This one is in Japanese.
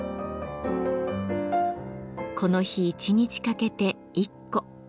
この日一日かけて１個。